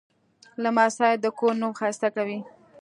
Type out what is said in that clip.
لمسی د کور نوم ښایسته کوي.